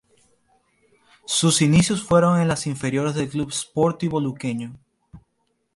Sus inicios fueron en las inferiores del Club Sportivo Luqueño.